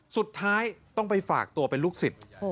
สุดท้ายต้องไปฝากตัวเป็นลูกศิษย์